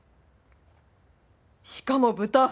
しかも豚！